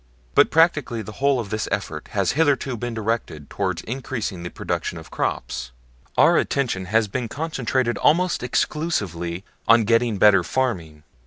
But practically the whole of this effort has hitherto been directed toward increasing the production of crops. Our attention has been concentrated almost exclusively on getting better farming.